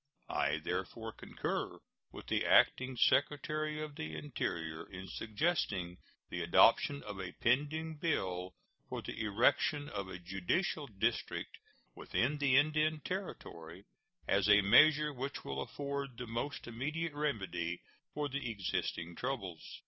I therefore concur with the Acting Secretary of the Interior in suggesting the adoption of a pending bill for the erection of a judicial district within the Indian Territory, as a measure which will afford the most immediate remedy for the existing troubles.